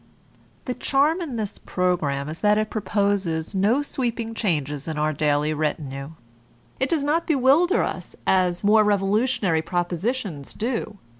The charm in this program is that it proposes no sweeping changes in our daily retinue; it does not be wilder us as more revolutionary propositions do.